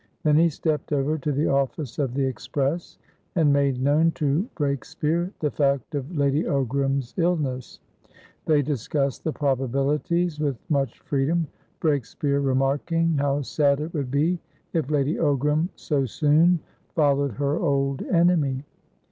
Then he stepped over to the office of the Express, and made known to Breakspeare the fact of Lady Ogram's illness; they discussed the probabilities with much freedom, Breakspeare remarking how sad it would be if Lady Ogram so soon followed her old enemy.